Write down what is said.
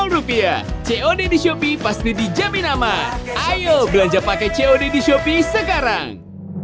rupiah cod di shopee pasti dijamin aman ayo belanja pakai cod di shopee sekarang